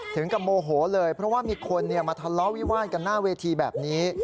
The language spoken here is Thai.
ถึงกับโมโหเลยเพราะว่ามีคนมาทะเลาะวิวาดกันหน้าเวทีแบบนี้